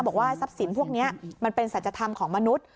บอกว่าทรัพย์สินพวกนี้มันเป็นสัจธรรมของมนุษย์